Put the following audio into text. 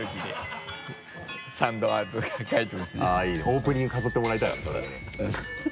オープニング飾ってもらいたいなそれで。